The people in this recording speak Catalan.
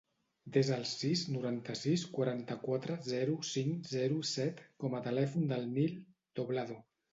Desa el sis, noranta-sis, quaranta-quatre, zero, cinc, zero, set com a telèfon del Nil Doblado.